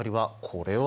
これ。